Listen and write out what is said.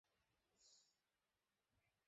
জেটের কী অবস্থা?